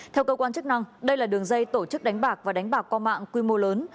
theo cơ quan chức năng đây là đường dây tổ chức đánh bạc và đánh bạc qua mạng quy mô lớn